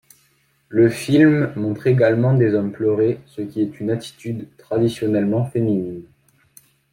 Le film montre également des hommes pleurer, ce qui est une attitude traditionnellement féminine.